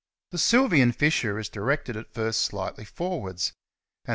The Sylvian fissure is directed at first slightly forwards, and then ^ Log, cit.